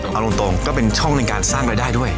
เอาตรงก็เป็นช่องในการสร้างรายได้ด้วย